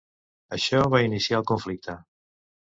Això va iniciar el conflicte.